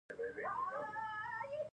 پکتیکا د افغانستان د اجتماعي جوړښت برخه ده.